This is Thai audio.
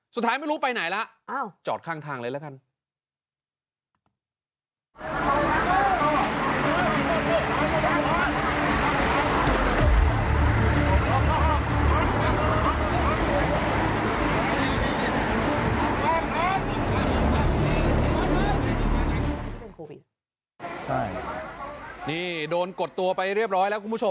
สุดท้ายไม่รู้ไปไหนแล้ว